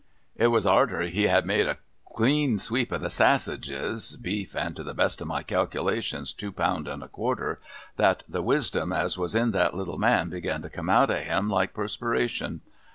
It was arter he had made a clean sweep of the sassages (beef, and to the best of my calculations two pound and a quarter), that the wisdom as was in that little man began to come out of him like perspiration.